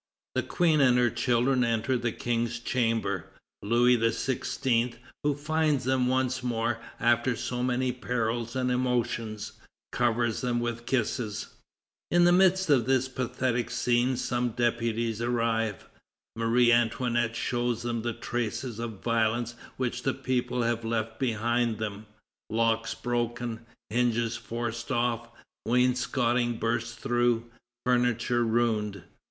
The Queen and her children enter the King's chamber. Louis XVI., who finds them once more after so many perils and emotions, covers them with kisses. In the midst of this pathetic scene some deputies arrive. Marie Antoinette shows them the traces of violence which the people have left behind them, locks broken, hinges forced off, wainscoting burst through, furniture ruined.